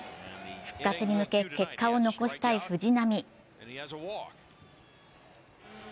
復活に向け結果を残したい藤浪。